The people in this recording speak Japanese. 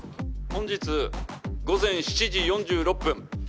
本日午前７時４６分